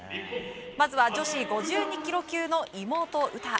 まずは女子５２ｋｇ級の妹・詩。